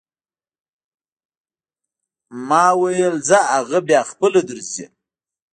مالې ځه اغه بيا خپله درځي.